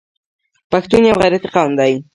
پښتون یو غیرتي قوم دی.